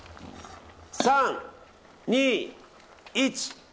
３、２、１。